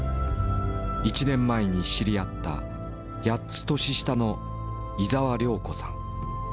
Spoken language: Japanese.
１年前に知り合った８つ年下の伊澤亮子さん。